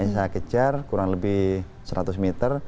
saya kejar kurang lebih seratus meter